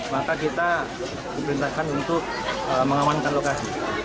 maka kita diperintahkan untuk mengamankan lokasi